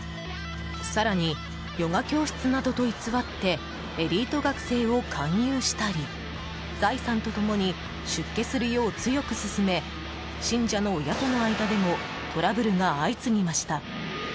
更に、ヨガ教室などと偽ってエリート学生を勧誘したり財産と共に出家するよう強く勧め信者の親との間でもトラブルが相次ぎました。